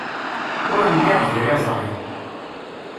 Ur lliɣ d iriẓri.